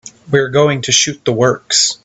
We're going to shoot the works.